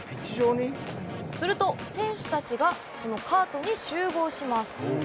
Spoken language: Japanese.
すると、選手たちがこのカートに集合します。